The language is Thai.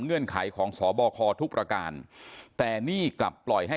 เงืนไขของสบคทุกประการแต่นี่กลับปล่อยให้